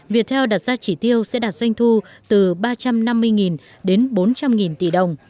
viettel đặt ra chỉ tiêu sẽ đạt doanh thu từ ba trăm năm mươi đến bốn trăm linh tỷ đồng